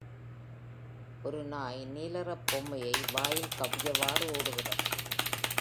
ஒரு நாய் நீல நிற பொம்மையை வாயில் கவ்வியவாறு ஓடுகிறது.